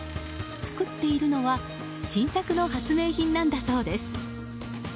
作っているのは新作の発明品なんだそうです。